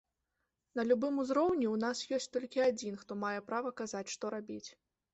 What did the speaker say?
На любым узроўні ў нас ёсць толькі адзін, хто мае права казаць, што рабіць.